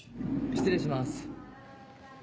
失礼します。